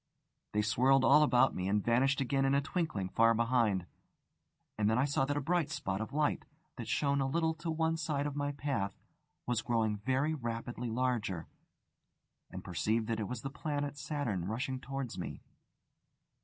They swirled all about me, and vanished again in a twinkling far behind. And then I saw that a bright spot of light, that shone a little to one side of my path, was growing very rapidly larger, and perceived that it was the planet Saturn rushing towards me.